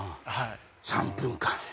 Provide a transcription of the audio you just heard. ３分間。